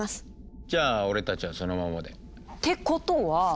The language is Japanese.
じゃあ俺たちはそのままで。ってことは。